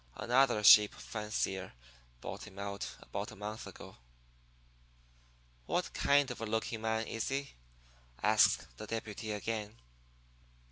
'Another sheep fancier bought him out about a month ago.' "'What kind of a looking man is he?' asks the deputy again.